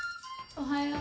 おはよう。